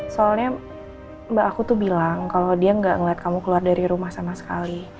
soalnya mbak aku tuh bilang kalau dia gak ngeliat kamu keluar dari rumah sama sekali